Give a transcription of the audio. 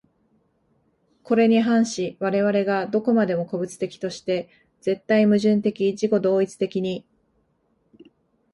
これに反し我々が何処までも個物的として、絶対矛盾的自己同一的に、